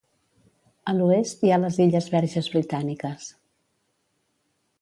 A l'oest hi ha les illes Verges Britàniques.